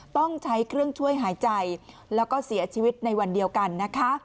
ต้องใช้เครื่องช่วยหายใจแล้วก็เสียชีวิตในวันเดียวกันนะคะ